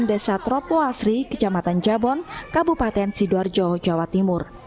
desa tropoasri kejamatan jabon kabupaten sidoarjo jawa timur